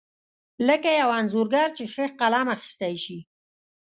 لکه یو انځورګر چې ښه فلم اخیستی شي.